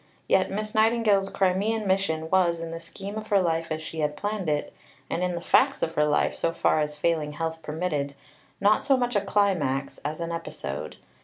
Yet Miss Nightingale's Crimean mission was, in the scheme of her life as she had planned it, and in the facts of her life so far as failing health permitted, not so much a climax, as an episode.